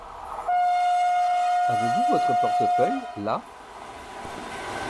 Avez-vous votre portefeuille là?